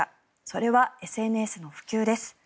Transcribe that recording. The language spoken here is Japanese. それはＳＮＳの普及です。